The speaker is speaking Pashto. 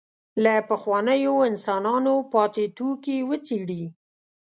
له پخوانیو انسانانو پاتې توکي وڅېړي.